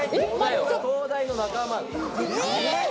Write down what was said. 東大の仲間。